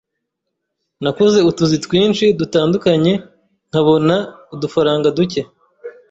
nakoze utuzi twinshi dutandukanye nkabona udufaranga duke